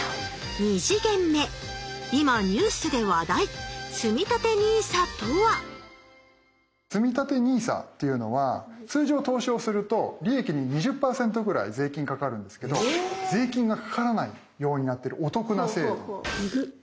今ニュースで話題つみたてＮＩＳＡっていうのは通常投資をすると利益に２０％ぐらい税金かかるんですけど税金がかからないようになってるお得な制度。